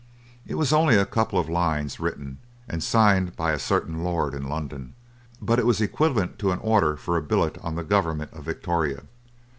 It was only a couple of lines written and signed by a certain lord in London, but it was equivalent to an order for a billet on the government of Victoria.